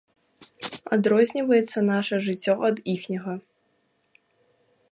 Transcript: Адрозніваецца наша жыццё ад іхняга.